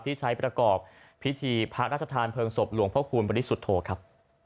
ที่ใช้ประกอบพิธีพระราชทานเพลิงศพหลวงพระคูณบริสุทธโธครับ